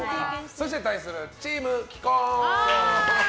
そして対するチーム既婚。